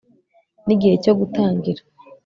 nigihe cyo gutangira